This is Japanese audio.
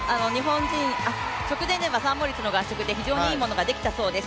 直前ではサンモリッツの合宿で非常にいいものができたそうです。